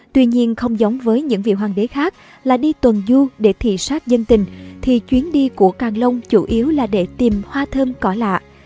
tuy nhiên không giống với những vị hoàng đế khác là đi tuần du để thị xác dân tình thì chuyến đi của càng long chủ yếu là để tìm hoa thơm cỏ lạ